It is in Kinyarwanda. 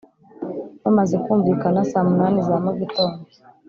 bamaze kumvikana saa munani za mugitondo,